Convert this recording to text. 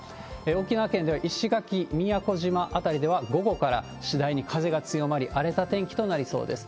沖縄県では石垣、宮古島辺りでは、午後から次第に風が強まり、荒れた天気となりそうです。